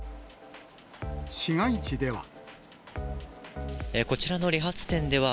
市街地では。